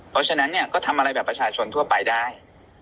เพราะฉะนั้นเนี่ยก็ทำอะไรแบบประชาชนทั่วไปได้